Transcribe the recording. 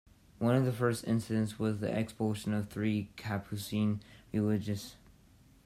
One of the first incidents was the expulsion of three capuccine religious.